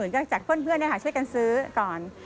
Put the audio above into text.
จากเพื่อนช่วยกันซื้อก่อน